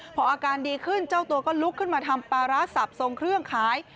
พออาการดีขึ้นเจ้าตัวก็ลุกขึ้นมาทำปลาร้าสับทรงเครื่องขาย